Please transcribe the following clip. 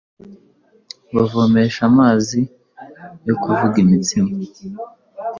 bavomesha amazi yo kuvuga imitsima